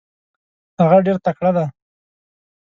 هغه ډیر تکړه دی.